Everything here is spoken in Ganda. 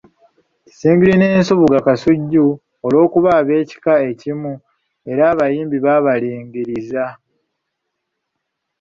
Kisingiri ne Nsubuga Kasujju olw'okuba ab'ekika ekimu, era abayimbi baabalingiriza.